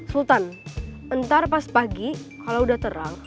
sultan ntar pas pagi kalau udah terang